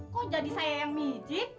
kok jadi saya yang mijik